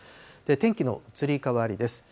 天気の移り変わりです。